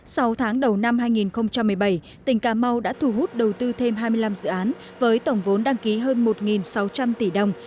sau tháng đầu năm hai nghìn một mươi bảy tỉnh cà mau đã thu hút đầu tư thêm hai mươi năm dự án với tổng vốn đăng ký hơn một sáu trăm linh tỷ đồng